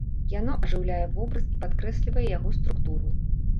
Яно ажыўляе вобраз і падкрэслівае яго структуру.